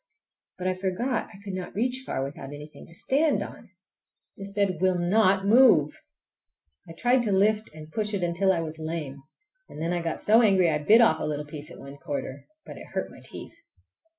But I forgot I could not reach far without anything to stand on! This bed will not move! I tried to lift and push it until I was lame, and then I got so angry I bit off a little piece at one corner—but it hurt my teeth.